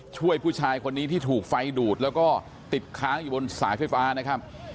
ช่วยผู้ชายคนนี้ที่ถูกไฟดูดแล้วก็ติดค้างอยู่บนสายไฟฟ้านะครับ